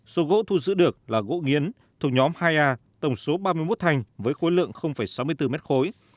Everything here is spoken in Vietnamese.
số gỗ thu giữ được là gỗ nghiến thu nhóm hai a tổng số ba mươi một thành với khối lượng sáu mươi bốn m khối